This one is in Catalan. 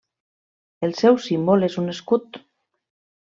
El seu símbol és un escut.